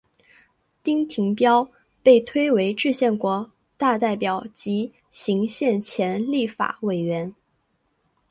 丁廷标被推为制宪国大代表及行宪前立法委员。